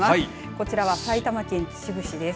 こちらは埼玉県秩父市です。